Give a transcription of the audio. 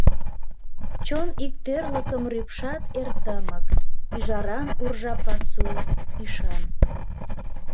Чон иктӧрлыкым рӱпшат эр тымык, Ӱжаран уржа пасу, ӱшан.